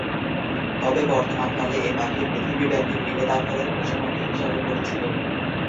তবে বর্তমানকালে এ পাখি পৃথিবী ব্যাপী, বৃহৎ আকারের পোষা পাখি হিসেবে পরিচিত।